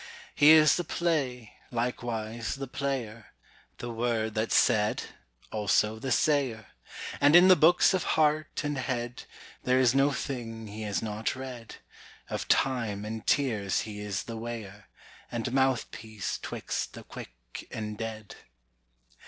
He is the play, likewise the player; The word that's said, also the sayer; And in the books of heart and head There is no thing he has not read; Of time and tears he is the weigher, And mouthpiece 'twixt the quick and dead.